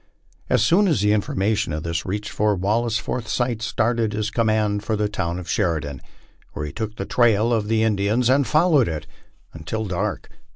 As soon as informa tion of this reached Fort Wallace, Forsyth started with his command for the town of Sheridan, where he took the trail of the Indians and followed it until dark.